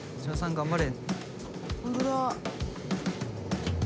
頑張れ！